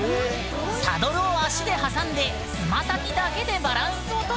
サドルを足で挟んで爪先だけでバランスを取る技